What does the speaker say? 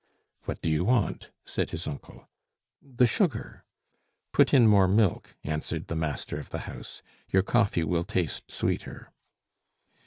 "What do you want?" said his uncle. "The sugar." "Put in more milk," answered the master of the house; "your coffee will taste sweeter."